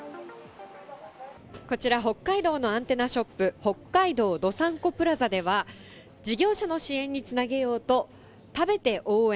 こちら、北海道のアンテナショップ、北海道どさんこプラザでは、事業者の支援につなげようと、食べて応援！